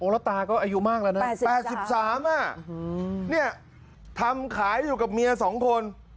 แล้วตาก็อายุมากแล้วนะ๘๓ทำขายอยู่กับเมีย๒คน